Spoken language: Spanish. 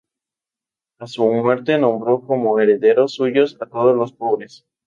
A su muerte nombró como herederos suyos a todos los pobres.